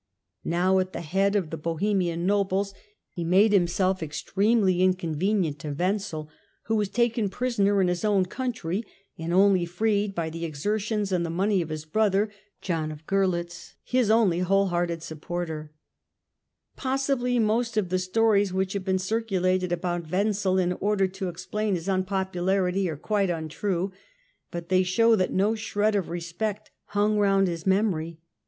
Now at the head of the Bohemian nobles, he made himself extremely inconvenient to Wenzel, who was taken prisoner in his own country and only freed by the exertions and the money of his brother John of Gorlitz, his only whole hearted supporter. Stories Possibly most of the stories which have been circulated Wenzel about Wenzel in order to explain his unpopularity, are quite untrue, but they show that no shred of respect hung round his memory.